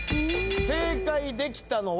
正解できたのは。